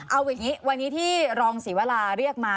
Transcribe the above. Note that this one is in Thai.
เอาอย่างนี้วันนี้ที่รองศรีวราเรียกมา